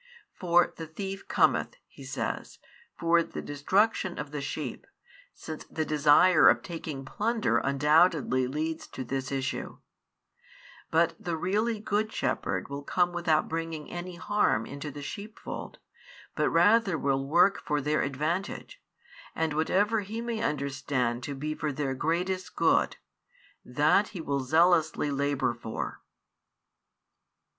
For the thief cometh, He says, for the destruction of the sheep, since the desire of taking plunder undoubtedly leads to this issue; but the really good shepherd will come without bringing any harm into the sheepfold, but rather will work for their advantage, and whatever he may understand to be for their greatest good, that he will zealously labour for.